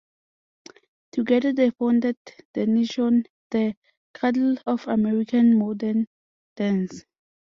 Together they founded Denishawn, the cradle of American modern dance.